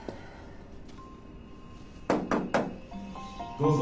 ・どうぞ。